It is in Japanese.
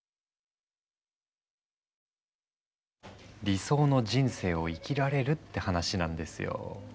理想の人生を生きられるって話なんですよ。